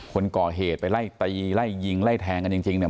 คนก่อเหตุไปไล่ตีไล่ยิงไล่แทงกันจริงเนี่ย